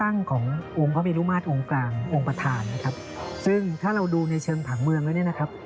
องค์กลางองค์ประธานนะครับซึ่งถ้าเราดูในเชิงผ่างเมืองแล้วเนี่ยนะครับ